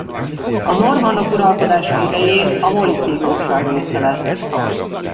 A normannok uralkodása idején a Molisei Grófság része lett.